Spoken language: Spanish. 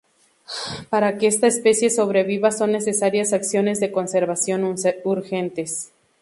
Para que esta especie sobreviva son necesarias acciones de conservación urgentes.